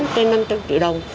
trên năm trăm linh triệu đồng